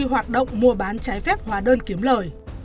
hoạt động mua bán trái phép hóa đơn kiếm lời